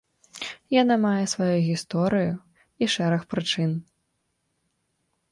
Яна мае сваю гісторыю і шэраг прычын.